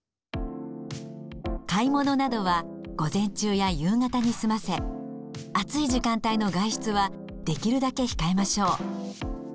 買い物などは午前中や夕方に済ませ暑い時間帯の外出はできるだけ控えましょう。